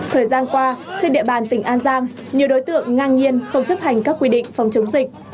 thời gian qua trên địa bàn tỉnh an giang nhiều đối tượng ngang nhiên không chấp hành các quy định phòng chống dịch